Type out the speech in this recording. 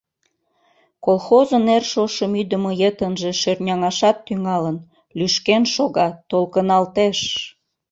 Колхозын эр шошым ӱдымӧ йытынже шӧртняҥашат тӱҥалын, лӱшкен шога, толкыналтеш...